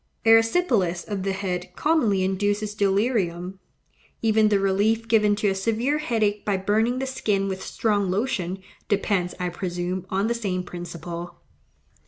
Erysipelas of the head commonly induces delirium. Even the relief given to a severe headache by burning the skin with strong lotion, depends, I presume, on the same principle.